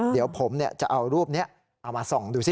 เดี๋ยวผมจะเอารูปนี้เอามาส่องดูซิ